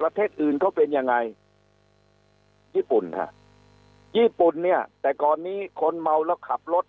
ประเทศอื่นเขาเป็นยังไงญี่ปุ่นฮะญี่ปุ่นเนี่ยแต่ก่อนนี้คนเมาแล้วขับรถ